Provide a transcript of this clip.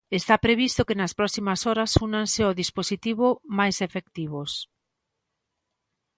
Está previsto que nas próximas horas únanse ao dispositivo máis efectivos.